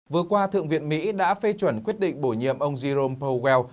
vừa qua thượng viện mỹ đã phê chuẩn quyết định bổ nhiệm ông jerome powell